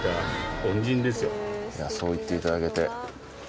そう言っていただけて。